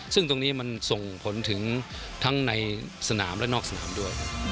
ซึ่งตรงนี้มันส่งผลถึงทั้งในสนามและนอกสนามด้วย